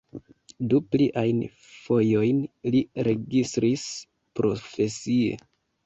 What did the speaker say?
Du pliajn fojojn li registris profesie.